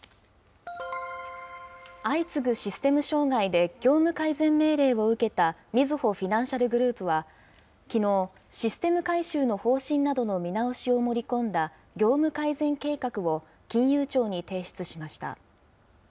相次ぐシステム障害で業務改善命令を受けたみずほフィナンシャルグループは、きのう、システム改修の方針などの見直しを盛り込んだ業務改善計画を金融庁に提出しました。